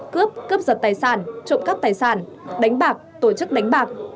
cướp cướp giật tài sản trộm cắp tài sản đánh bạc tổ chức đánh bạc